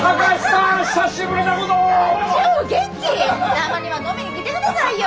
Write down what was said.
たまには飲みに来てくださいよ。